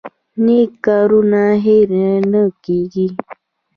نیک کارونه هیر نه کیږي